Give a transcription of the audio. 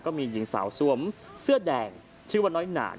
ก็มีหญิงสาวสวมเสื้อแดงชื่อว่าน้อยหนาน